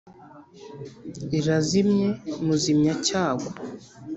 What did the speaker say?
rirazimye muzimya-cyago,